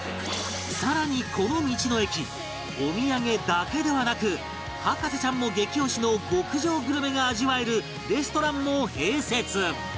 さらにこの道の駅お土産だけではなく博士ちゃんも激推しの極上グルメが味わえるレストランも併設